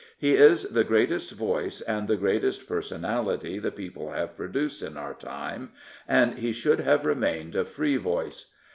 He is the greatest voice and the biggest personality the people have produced in our time and he should have remained a free voice.